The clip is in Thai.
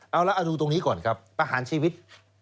เอาแล้วเอาดูตรงนี้ก่อนครับประหารชีวิต